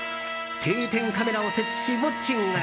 定点カメラを設置しウォッチング。